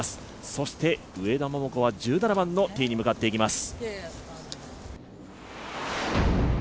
そして上田桃子は１７番のティーに向かっていきます。